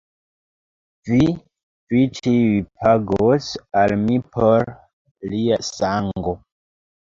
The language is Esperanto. Vi, vi ĉiuj pagos al mi por lia sango!